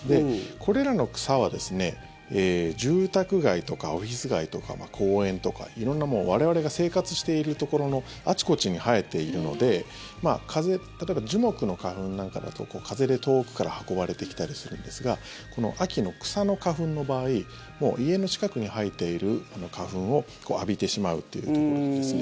これらの草は、住宅街とかオフィス街とか公園とか色んな我々が生活しているところのあちこちに生えているので例えば、樹木の花粉なんかだと風で遠くから運ばれてきたりするんですが秋の草の花粉の場合家の近くに生えている花粉を浴びてしまうというところですね。